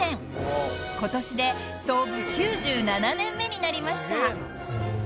［今年で創部９７年目になりました］